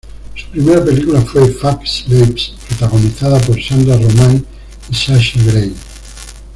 Su primera película fue "Fuck Slaves", protagonizada por Sandra Romain y Sasha Grey.